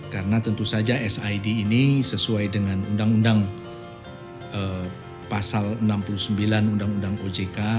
karena tentu saja sid ini sesuai dengan undang undang pasal enam puluh sembilan undang undang ojk